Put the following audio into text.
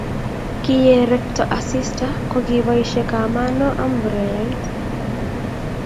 kiyerekto asista ko kiboishe kamanoo amburelait